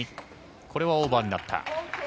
これはオーバーになりました。